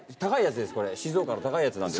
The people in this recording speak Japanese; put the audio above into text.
静岡の高いやつなんで。